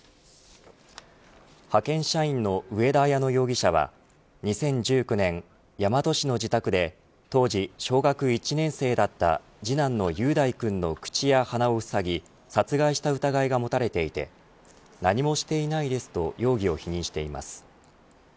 派遣社員の上田綾乃容疑者は２０１９年、大和市の自宅で当時、小学１年生だった次男の雄大君の口や鼻をふさぎ殺害した疑いが持たれていて何もしていないですと容疑を否認しています。